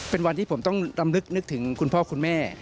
เป็นวันที่ผมต้องลำนึกนึกถึงคุณพ่อคุณแม่